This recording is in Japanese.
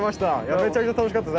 めちゃめちゃ楽しかったです。